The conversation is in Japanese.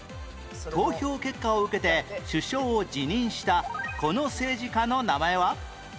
投票結果を受けて首相を辞任したこの政治家の名前は？